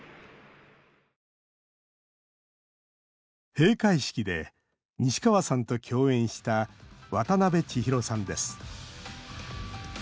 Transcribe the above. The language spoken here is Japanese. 閉会式で西川さんと共演したわたなべちひろさんです。